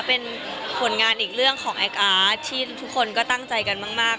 เป็นผลงานอีกเรื่องของแอคอาร์ตที่ทุกคนก็ตั้งใจกันมาก